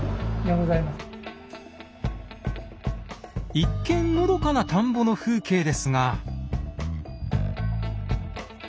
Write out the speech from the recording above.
一見のどかな田んぼの風景ですが。